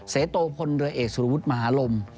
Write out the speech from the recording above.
เสโตพลเรือเอกสุรวุฒิมหาลม